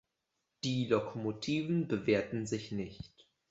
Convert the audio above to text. Die Lokomotiven bewährten sich nicht.